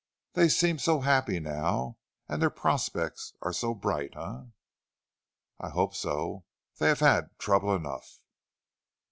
They seem so happy now, and their prospects are so bright, eh?" "I hope so; they have had trouble enough."